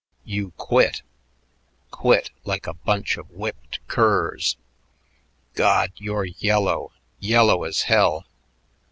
You quit! Quit like a bunch of whipped curs. God! you're yellow, yellow as hell.